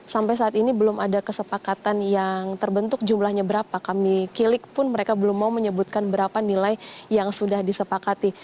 sampai saat ini belum ada kesepakatan yang terbentuk jumlahnya berapa kami kilik pun mereka belum mau menyebutkan berapa nilai yang sudah disepakati